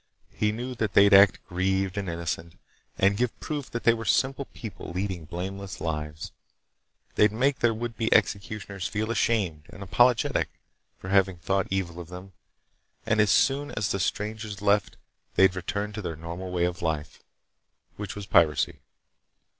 He knew that they'd act grieved and innocent, and give proof that they were simple people leading blameless lives. They'd make their would be executioners feel ashamed and apologetic for having thought evil of them, and as soon as the strangers left they'd return to their normal way of life, which was piracy.